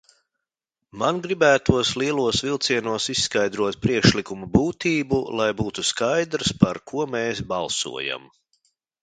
Man gribētos lielos vilcienos izskaidrot priekšlikuma būtību, lai būtu skaidrs, par ko mēs balsojam.